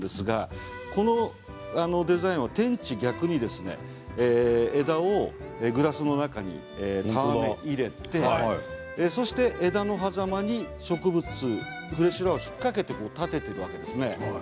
このデザインは、天地逆に枝をグラスの中に束ね入れてフレッシュフラワーを引っ掛けて立てているわけです。